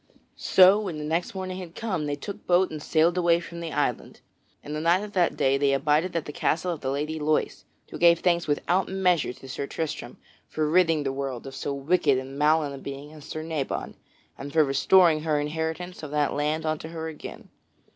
So when the next morning had come they took boat and sailed away from that island. And the night of that day they abided at the castle of the Lady Loise, who gave thanks without measure to Sir Tristram for ridding the world of so wicked and malign a being as Sir Nabon, and for restoring her inheritance of that land unto her again.